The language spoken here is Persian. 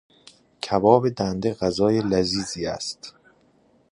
کباب دنده غذای لذیذی است.